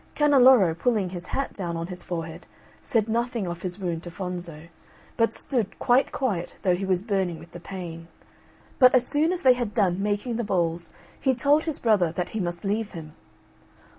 Canneloro, pulling his hat down on his forehead, said nothing of his wound to Fonzo, but stood quite quiet though he was burning with the pain. But as soon as they had done making the balls, he told his brother that he must leave him.